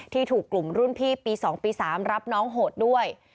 ถูกกลุ่มรุ่นพี่ปี๒ปี๓รับน้องโหดด้วย